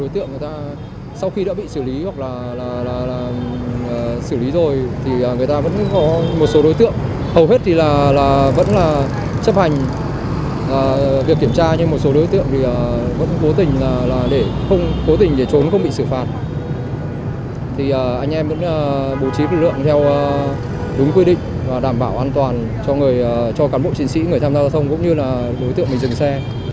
thì anh em vẫn bố trí lực lượng theo đúng quy định và đảm bảo an toàn cho cán bộ chiến sĩ người tham gia giao thông cũng như là đối tượng mình dừng xe